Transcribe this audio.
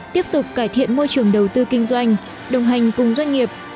tiếp tục cải thiện môi trường đầu tư kinh doanh đồng hành cùng doanh nghiệp